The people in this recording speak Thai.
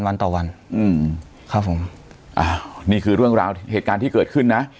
วันต่อวันอืมครับผมอ่านี่คือเรื่องราวเหตุการณ์ที่เกิดขึ้นนะ